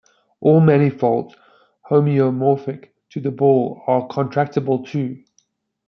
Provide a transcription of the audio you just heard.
All manifolds homeomorphic to the ball are contractible, too.